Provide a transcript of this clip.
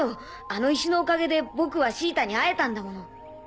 あの石のおかげで僕はシータに会えたんだもの。